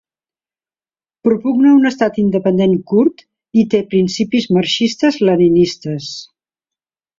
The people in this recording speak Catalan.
Propugna un estat independent kurd i té principis marxistes leninistes.